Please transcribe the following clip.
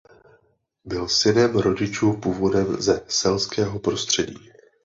Byl synem rodičů původem ze selského prostředí.